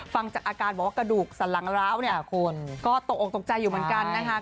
ฟังจากอาการบอกว่ากระดูกสันหลังร้าวเนี่ยคนก็ตกออกตกใจอยู่เหมือนกันนะคะ